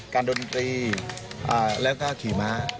ดนตรีแล้วก็ขี่ม้า